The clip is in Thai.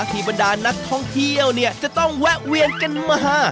บรรดานักท่องเที่ยวเนี่ยจะต้องแวะเวียนกันมา